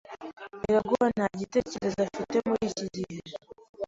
Iraguha nta gitekerezo afite muri iki gihe.